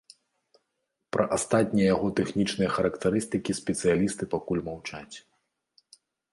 Пра астатнія яго тэхнічныя характарыстыкі спецыялісты пакуль маўчаць.